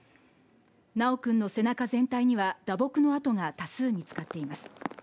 修くんの背中全体には打撲の痕が多数見つかっています。